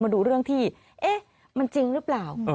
มาดูเรื่องที่เอ๊ะมันจริงหรือเปล่า